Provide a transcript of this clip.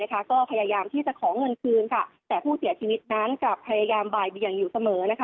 ก็พยายามที่จะขอเงินคืนแต่ผู้เสียชีวิตนั้นกลับพยายามบ่ายเบียงอยู่เสมอ